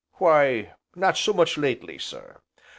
"Why, not so much lately, sir.